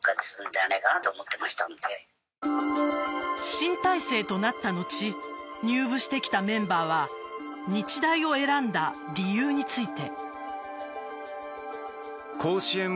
新体制となった後入部してきたメンバーは日大を選んだ理由について。